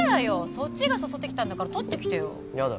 そっちが誘ってきたんだから取ってきてよやだ